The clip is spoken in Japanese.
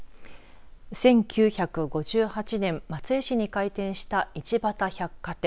１９５８年松江市に開店した一畑百貨店。